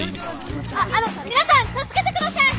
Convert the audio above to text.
あの皆さん助けてください。